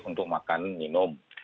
untuk makan minum